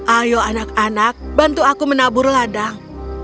ayo anak anak bantu aku menabur ladang